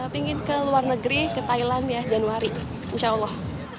pingin ke luar negeri ke thailand ya januari insya allah